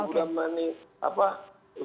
sudah menik apa sudah